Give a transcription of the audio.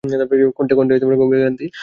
কণ্ঠে গভীর ক্লান্তি।